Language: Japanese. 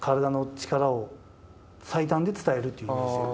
体の力を最短で伝えるという感じ